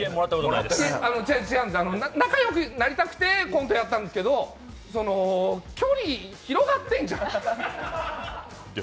仲良くなりたくてコントやったんですけど距離広がってるじゃん。